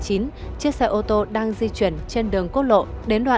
chiếc xe ô tô đang di chuyển trên đường quốc lộ